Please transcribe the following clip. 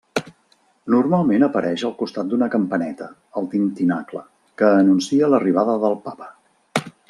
Normalment apareix al costat d'una campaneta, el tintinacle, que anuncia l'arribada del Papa.